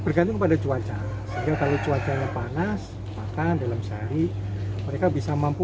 bergantung kepada cuaca sehingga kalau cuacanya panas makan dalam sehari mereka bisa mampu